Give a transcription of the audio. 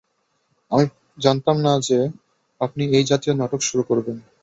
আমি জানতাম না যে, আপনি এই জাতীয় নাটক শুরু করবেন।